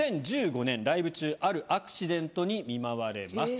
２０１５年ライブ中あるアクシデントに見舞われます。